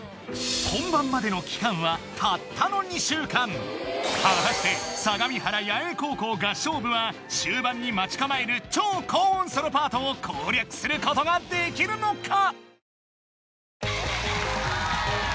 本番までの果たして相模原弥栄高校合唱部は終盤に待ち構える超高音ソロパートを攻略することができるのか